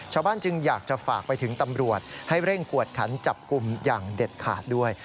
ชาวบ้านจึงอยากจะฝากไปถึงตำรวจให้เร่งกวดขันจับกลุ่มอย่างเด็ดขาดด้วย